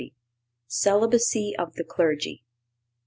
CELIBACY OF THE CLERGY.